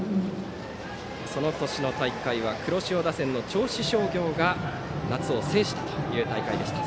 その年の大会は黒潮打線の銚子商業が夏を制したという大会でした。